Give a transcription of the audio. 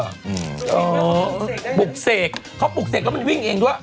อ๋อปลุกเสกเขาปลูกเสกแล้วมันวิ่งเองด้วย